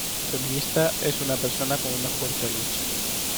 Feminista es una persona con una fuerte lucha.